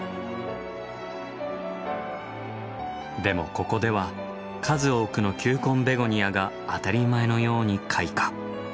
でもここでは数多くの球根ベゴニアが当たり前のように開花。